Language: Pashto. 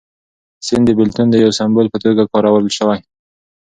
سیند د بېلتون د یو سمبول په توګه کارول شوی.